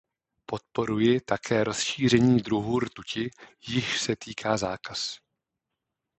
Podporuji také rozšíření druhů rtuti, jichž se týká zákaz.